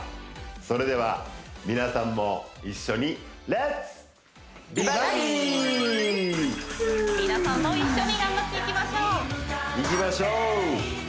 それでは皆さんも一緒に皆さんも一緒に頑張っていきましょういきましょう